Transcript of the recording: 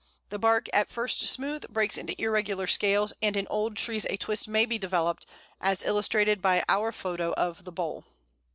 The bark, at first smooth, breaks into irregular scales and in old trees a twist may be developed, as illustrated by our photo of the bole.